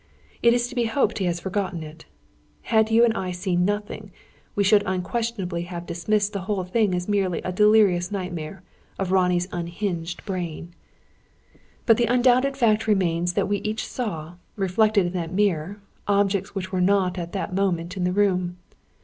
It is to be hoped he has forgotten it. Had you and I seen nothing, we should unquestionably have dismissed the whole thing as merely a delirious nightmare of Ronnie's unhinged brain. "But the undoubted fact remains that we each saw, reflected in that mirror, objects which were not at that moment in the room.